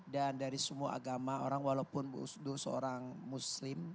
dan dari semua agama orang walaupun gus dur seorang muslim